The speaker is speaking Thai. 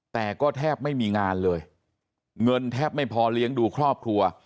แต่ก็แทบไม่มีงานเลยเงินแทบไม่พอเลี้ยงดูครอบครัว